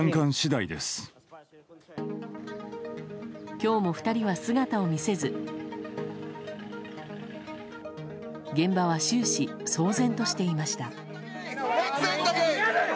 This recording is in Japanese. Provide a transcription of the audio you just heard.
今日も２人は姿を見せず現場は終始騒然としていました。